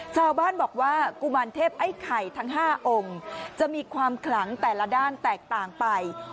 ชาวบ้านบอกว่ากุมารเทพไอ้ไข่ทั้ง๕องค์จะมีความขลังแต่ละด้านแตกต่างไป